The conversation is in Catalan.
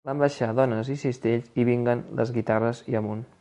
Van baixar dones i cistells i vinguen les guitarres i amunt.